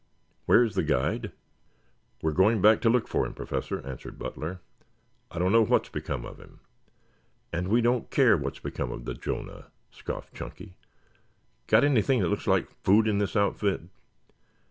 "Where is the guide?" "We are going back to look for him, Professor," answered Butler. "I don't know what has become of him." "And we don't care what's become of the Jonah," scoffed Chunky. "Got anything that looks like food in this outfit?"